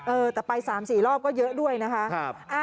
เออแต่ไป๓๔แปบก็เยอะด้วยแล้วนะครับ